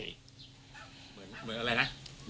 เหมือนอะไรนะ